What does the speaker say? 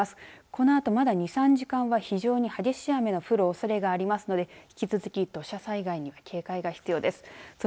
このあと、まだ２、３時間は激しい雨が降るおそれがありますので引き続き土砂災害には警戒が必要です。